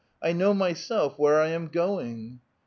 I know myself where I am going."